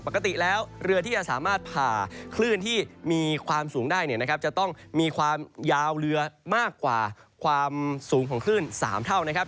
ปกติแล้วเรือที่จะสามารถผ่าคลื่นที่มีความสูงได้เนี่ยนะครับจะต้องมีความยาวเรือมากกว่าความสูงของคลื่น๓เท่านะครับ